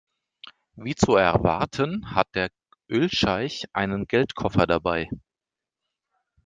Wie zu erwarten hat der Ölscheich einen Geldkoffer dabei.